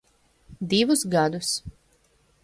Divus gadus.